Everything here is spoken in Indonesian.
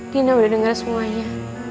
dina udah denger semuanya